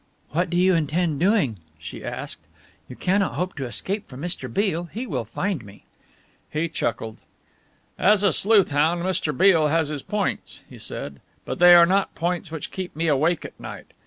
"What do you intend doing?" she asked. "You cannot hope to escape from Mr. Beale. He will find me." He chuckled. "As a sleuth hound, Mr. Beale has his points," he said, "but they are not points which keep me awake at night.